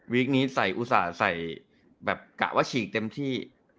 คนี้ใส่อุตส่าห์ใส่แบบกะว่าฉีกเต็มที่